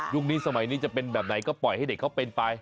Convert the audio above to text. นี้สมัยนี้จะเป็นแบบไหนก็ปล่อยให้เด็กเขาเป็นไป